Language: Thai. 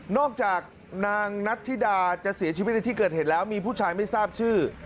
จากนางนัทธิดาจะเสียชีวิตในที่เกิดเหตุแล้วมีผู้ชายไม่ทราบชื่อ